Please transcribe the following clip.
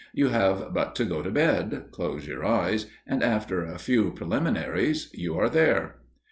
You have but to go to bed, close your eyes, and after a few preliminaries you are there!